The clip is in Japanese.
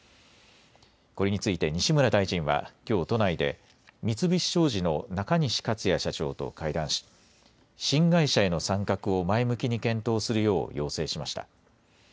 これについて、西村大臣はきょう都内で、三菱商事の中西勝也社長と会談し、新会社への参画を前向きに検討するよう要請しました。